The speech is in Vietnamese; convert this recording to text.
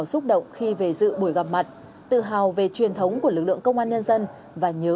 xúc động khi về dự buổi gặp mặt tự hào về truyền thống của lực lượng công an nhân dân và nhớ